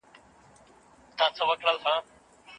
په ټولنه کي باید د ژوند شرایط ښه سي.